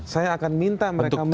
saya akan minta mereka